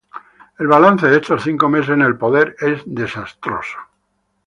El balance de estos cinco meses en el poder es desastroso.